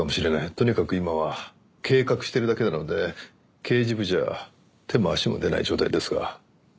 とにかく今は計画してるだけなので刑事部じゃ手も足も出ない状態ですが。